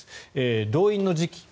動員の時期。